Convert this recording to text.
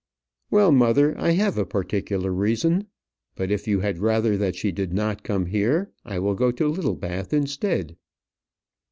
"Well, mother, I have a particular reason. But if you had rather that she did not come here, I will go to Littlebath instead."